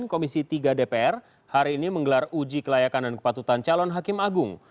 komisi tiga dpr hari ini menggelar uji kelayakan dan kepatutan calon hakim agung